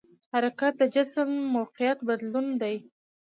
حرکت د جسم موقعیت بدلون دی.